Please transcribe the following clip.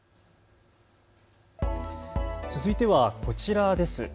続いてはこちらです。